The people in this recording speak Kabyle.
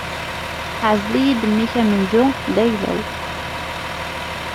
Ɛzel-iyi-d mmi-k amenzu, d ayla-w.